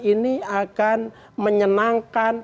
ini akan menyenangkan